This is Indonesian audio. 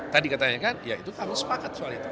tadi katanya kan ya itu kami sepakat soal itu